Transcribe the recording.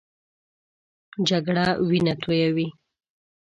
جګړه وینه تویوي